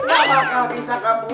gak bakal bisa kak buka itu